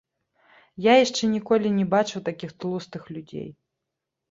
Я яшчэ ніколі не бачыў такіх тлустых людзей.